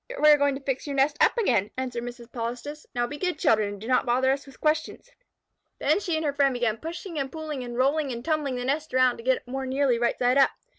"We are going to fix your nest up again," answered Mrs. Polistes. "Now be good children, and do not bother us with questions." Then she and her friend began pushing and pulling and rolling and tumbling the nest around to get it more nearly right side up.